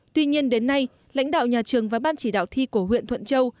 tuy nhiên đến nay lãnh đạo nhà trường và ban chỉ đạo thi của huyện thuận châu